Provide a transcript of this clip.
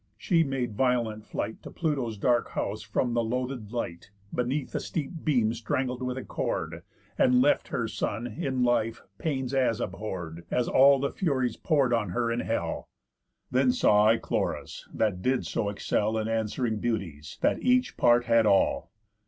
She made violent flight To Pluto's dark house from the loathéd light, Beneath a steep beam strangled with a cord, And left her son, in life, pains as abhorr'd As all the Furies pour'd on her in hell. Then saw I Chloris, that did so excell In answering beauties, that each part had all.